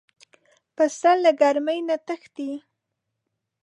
پسه له ګرمۍ نه تښتي.